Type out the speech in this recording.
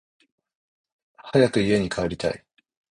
早く家に帰りたい